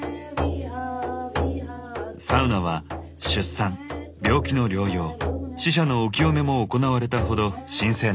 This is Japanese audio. サウナは出産病気の療養死者のお清めも行われたほど神聖な場所なんです。